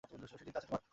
সে চিন্তা আছে তোমার?